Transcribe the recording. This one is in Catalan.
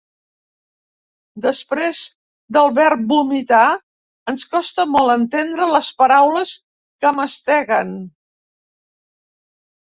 Després del verb vomitar ens costa molt entendre les paraules que masteguen.